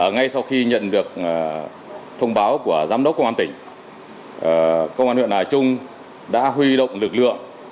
ngay sau khi nhận được thông báo của giám đốc công an tỉnh công an huyện hà trung đã huy động lực lượng